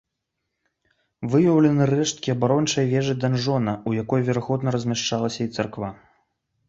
Выяўлены рэшткі абарончай вежы-данжона, у якой, верагодна, размяшчалася і царква.